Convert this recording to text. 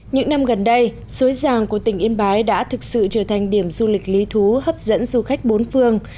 những năm gần đây suối giàng của tỉnh yên bái đã thực sự trở thành điểm du lịch lý thú hấp dẫn du khách bốn phương